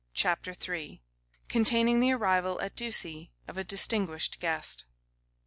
CHAPTER III. Containing the Arrival at Ducie of a Distinguished Guest.